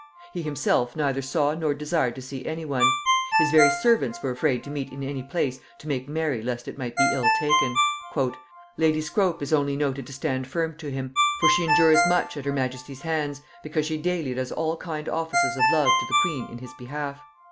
He himself neither saw nor desired to see any one. His very servants were afraid to meet in any place to make merry lest it might be ill taken. "At the court," says Whyte, "lady Scrope is only noted to stand firm to him, for she endures much at her majesty's hands because she daily does all kind offices of love to the queen in his behalf.